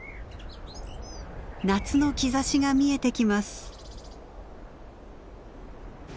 夏の兆しが見えてきます。